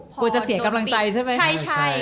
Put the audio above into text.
กลัวจะเสียกำลังใจใช่ไหม